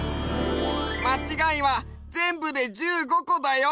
まちがいはぜんぶで１５こだよ！